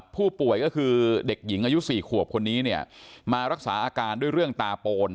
ผู้ป่วยก็คือเด็กหญิงอายุ๔ขวบคนนี้เนี่ยมารักษาอาการด้วยเรื่องตาโปน